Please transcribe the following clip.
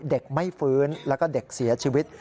เด็กไม่ฟื้นแล้วก็เด็กเสียชีวิต